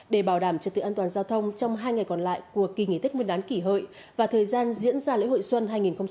để bảo đảm trật tự an toàn giao thông trong hai ngày còn lại của kỳ nghỉ tết nguyên đán kỷ hợi và thời gian diễn ra lễ hội xuân hai nghìn một mươi chín